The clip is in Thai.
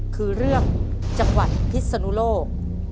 คือเรื่องจังหวัดพิศนุโลก